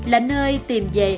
là nơi tìm về